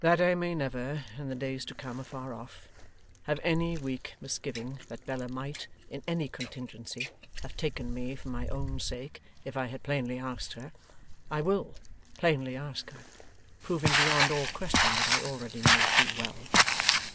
'That I may never, in the days to come afar off, have any weak misgiving that Bella might, in any contingency, have taken me for my own sake if I had plainly asked her, I WILL plainly ask her: proving beyond all question what I already know too well.